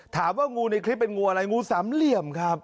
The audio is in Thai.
งูในคลิปเป็นงูอะไรงูสามเหลี่ยมครับ